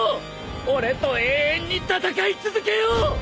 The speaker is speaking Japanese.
俺と永遠に戦い続けよう！